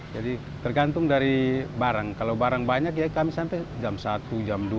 jadi tergantung dari barang kalau barang banyak ya kami sampai jam satu jam dua